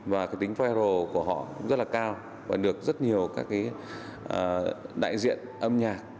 và cái tính vira của họ cũng rất là cao và được rất nhiều các cái đại diện âm nhạc